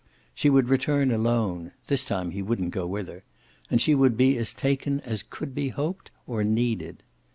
She would return alone this time he wouldn't go with her and she would be as taken as could be hoped or needed.